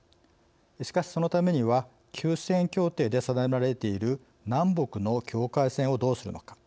しかしそのためには休戦協定で定められている南北の境界線をどうするのか。